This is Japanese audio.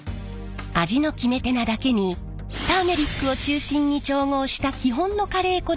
味の決め手なだけにターメリックを中心に調合した基本のカレー粉だけでも１３種類。